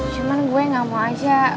cuman gue gak mau aja